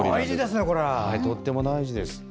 とっても大事です。